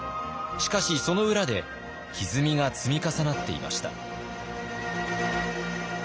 しかしその裏でひずみが積み重なっていました。